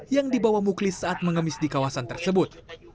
yang dibawa muklis saat mengemis di kawasan tersebut